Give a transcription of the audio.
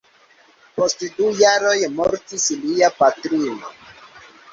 Post du jaroj mortis lia patrino.